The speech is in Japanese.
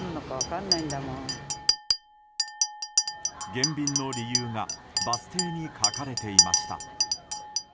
減便の理由がバス停に書かれていました。